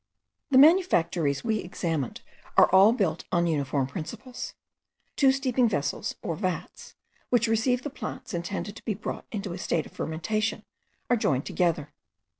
The manufactories we examined are all built on uniform principles. Two steeping vessels, or vats, which receive the plants intended to be brought into a state of fermentation, are joined together.